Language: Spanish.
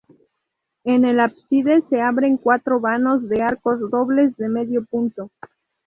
En el ábside se abren cuatro vanos de arcos dobles de medio punto.